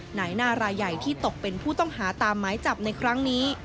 นายหน้ารายใหญ่ที่ตกเป็นผู้ต้องหาตามหมายจับในครั้งนี้